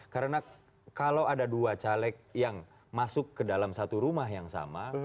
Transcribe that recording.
karena kalau ada dua caleg yang masuk ke dalam satu rumah yang sama